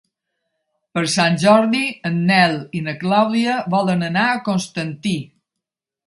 Per Sant Jordi en Nel i na Clàudia volen anar a Constantí.